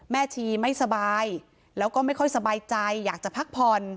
ชีไม่สบายแล้วก็ไม่ค่อยสบายใจอยากจะพักผ่อน